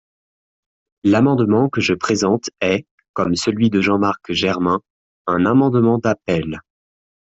L’amendement que je présente est, comme celui de Jean-Marc Germain, un amendement d’appel.